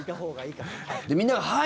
みんなが、はい！